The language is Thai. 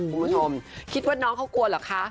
คุณผู้ชมคิดว่าน้องเขากลัวเหรอคะ